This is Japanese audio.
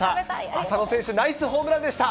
浅野選手、ナイスホームランでした。